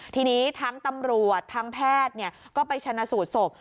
ทีนี้ทั้งตำรวจทั้งแพทย์ก็ไปชนะสูตรศพ